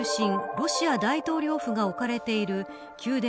ロシア大統領府が置かれている宮殿